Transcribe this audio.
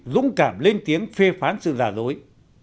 dũng cảm lên tiếng phê phán sự giả dối